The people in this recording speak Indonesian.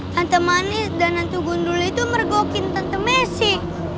tante manis dan tante gundul itu mergokin tante messy